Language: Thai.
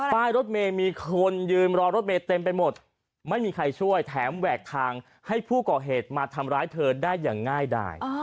ป้ายรถเมย์มีคนยืนรอรถเมย์เต็มไปหมดไม่มีใครช่วยแถมแหวกทางให้ผู้ก่อเหตุมาทำร้ายเธอได้อย่างง่ายดาย